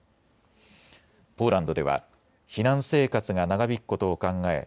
ポーランドでは避難生活が長引くことを考え